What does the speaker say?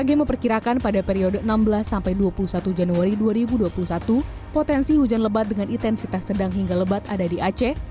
di bulan dua puluh satu januari dua ribu dua puluh satu potensi hujan lebat dengan intensitas sedang hingga lebat ada di aceh